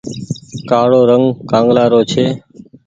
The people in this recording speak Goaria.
ڪآڙو رنگ ڪآنگلآ رو ڇي۔